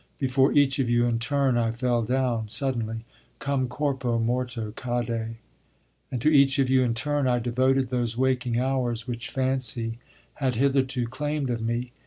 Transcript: Before each of you in turn I fell down, suddenly, "Come corpo morto cadde." And to each of you in turn I devoted those waking hours which fancy had hitherto claimed of me.